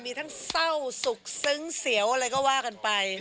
มีทั้งเศร้าสุขซึ้งเสียวอะไรก็ว่ากันไป